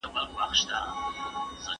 یادوي به مي هر څوک په بد ویلو